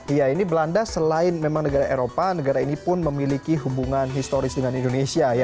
iya ini belanda selain memang negara eropa negara ini pun memiliki hubungan historis dengan indonesia